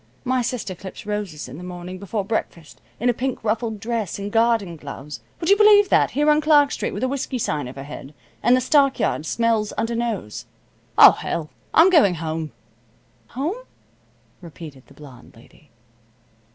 My sister clips roses in the morning, before breakfast, in a pink ruffled dress and garden gloves. Would you believe that, here, on Clark Street, with a whiskey sign overhead, and the stock yard smells undernose? O, hell! I'm going home." "Home?" repeated the blonde lady.